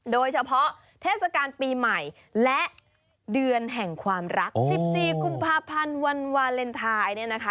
โดยเฉพาะเทศกาลปีใหม่และเดือนแห่งความรัก๑๔กุมภาพันธ์วันวาเลนไทยเนี่ยนะคะ